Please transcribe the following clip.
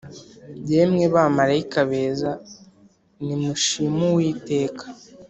Yemwe bamarayika beza nimushim’uwiteka